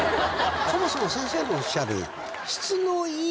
そもそも先生のおっしゃる。